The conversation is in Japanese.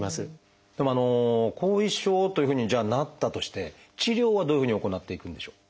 でも後遺症というふうにじゃあなったとして治療はどういうふうに行っていくんでしょう？